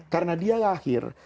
karena dia lahir